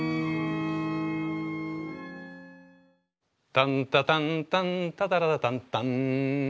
タンタタンタンタタタタタンタン。